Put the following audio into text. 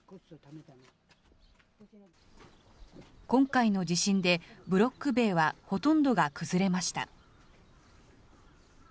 今回の地震でブロック塀はほとんどが崩れました。